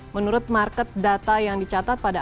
menurut market data yang dicatat pada